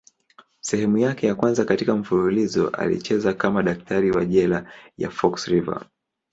Sehemu yake ya kwanza katika mfululizo alicheza kama daktari wa jela ya Fox River.